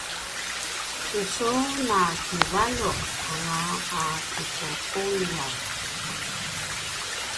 tucu nakivaljuq anga a kipuquljav